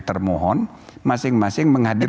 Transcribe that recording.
termohon masing masing menghadir